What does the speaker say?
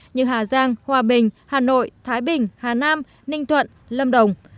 như hà giang hòa bình hà nội thái bình hà nam ninh thuận lâm đồng